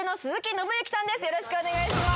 よろしくお願いします。